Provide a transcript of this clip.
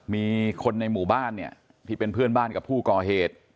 มีคนในหมู่บ้านเนี่ยที่เป็นเพื่อนบ้านกับผู้ก่อเหตุ